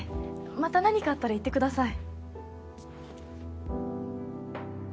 また何かあったら言ってください